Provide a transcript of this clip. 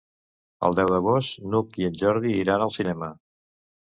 El deu d'agost n'Hug i en Jordi iran al cinema.